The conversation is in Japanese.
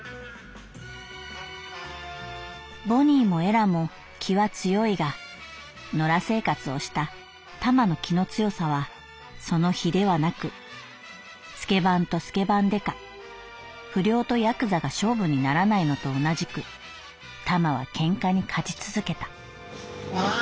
「ボニーもエラも気は強いが野良生活をしたタマの気の強さはその比ではなくスケバンとスケバン刑事不良とヤクザが勝負にならないのと同じくタマは喧嘩に勝ち続けた」。